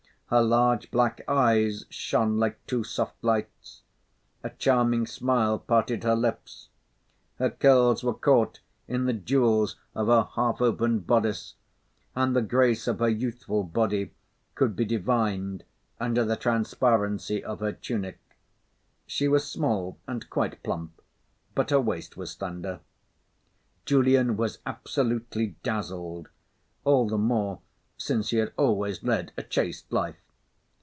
Her large black eyes shone like two soft lights. A charming smile parted her lips. Her curls were caught in the jewels of her half opened bodice, and the grace of her youthful body could be divined under the transparency of her tunic. She was small and quite plump, but her waist was slender. Julian was absolutely dazzled, all the more since he had always led a chaste life.